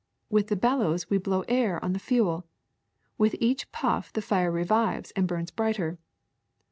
With the bellows we blow air on the fuel. With each puff the fire revives and burns brighter.